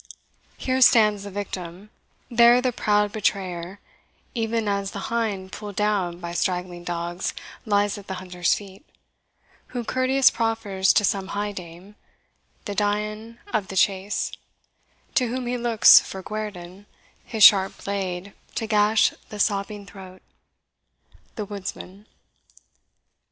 Here stands the victim there the proud betrayer, E'en as the hind pull'd down by strangling dogs Lies at the hunter's feet who courteous proffers To some high dame, the Dian of the chase, To whom he looks for guerdon, his sharp blade, To gash the sobbing throat. THE WOODSMAN.